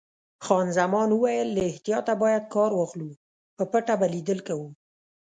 خان زمان وویل: له احتیاطه باید کار واخلو، په پټه به لیدل کوو.